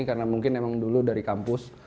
karena mungkin emang dulu dari kampus